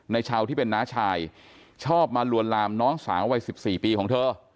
ชาวที่เป็นน้าชายชอบมาลวนลามน้องสาววัย๑๔ปีของเธอ